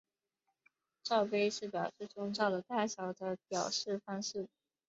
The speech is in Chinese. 罩杯是表示胸罩的大小的表示方式。